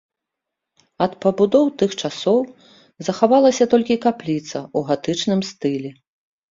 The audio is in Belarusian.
Ад пабудоў тых часоў захавалася толькі капліца ў гатычным стылі.